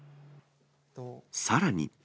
さらに。